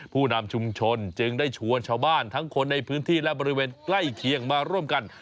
ผู้นำชุมชนจึงได้ชวนชาวบ้านทั้งคนในพื้นที่และบริเวณใกล้เคียงมาร่วมกัน